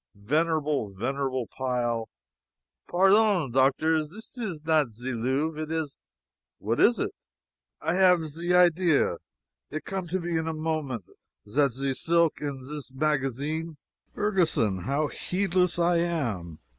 Venerable, venerable pile " "Pairdon, Doctor, zis is not ze Louvre it is " "What is it?" "I have ze idea it come to me in a moment zat ze silk in zis magazin " "Ferguson, how heedless I am.